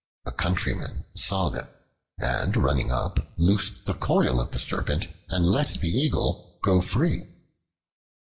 A countryman saw them, and running up, loosed the coil of the Serpent and let the Eagle go free.